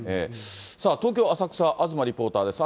さあ東京・浅草、東リポーターです。